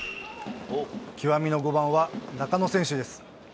極みの５番は中野選手です。